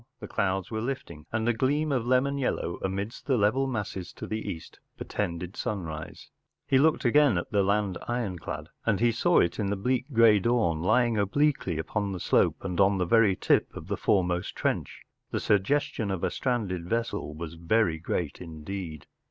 The clouds were lifting, and a gleam of lemon yellow amidst the level masses to the east portended sunrise. He looked again at the land ironclad. As he saw it in the bleak, grey dawn, lying obliquely upon the slope and on the very lip of the foremost trench, the suggestion of a stranded vessel was very great indeed.